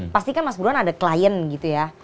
pastikan mas buruan ada klien gitu ya